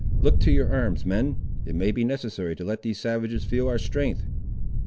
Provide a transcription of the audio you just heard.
Look to your arms, men; it may be necessary to let these savages feel our strength."